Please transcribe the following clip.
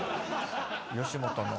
吉本の。